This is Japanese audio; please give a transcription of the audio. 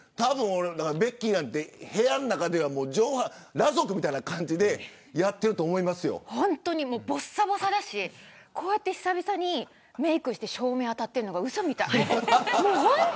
ベッキーなんて部屋の中では裸族みたいな感じで本当にぼさぼさだしこうやって久々にメークして照明に当たっているのがうそみたい。